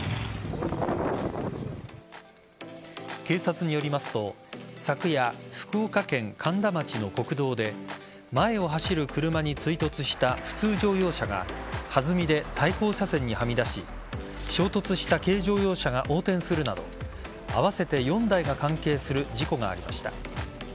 警察によりますと昨夜、福岡県苅田町の国道で前を走る車に追突した普通乗用車が弾みで対向車線にはみ出し衝突した軽乗用車が横転するなど合わせて４台が関係する事故がありました。